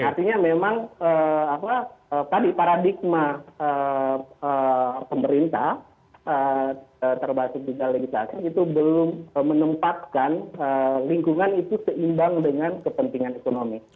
artinya memang tadi paradigma pemerintah termasuk juga legislatif itu belum menempatkan lingkungan itu seimbang dengan kepentingan ekonomi